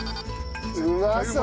うまそう！